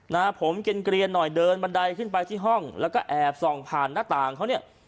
นะฮะผมเกลียนหน่อยเดินบันไดขึ้นไปที่ห้องแล้วก็แอบส่องผ่านหน้าต่างเขาเนี่ย